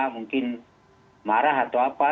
mungkin marah atau apa